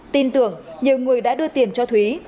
tin tưởng nhiều người đã đưa tiền cho thúy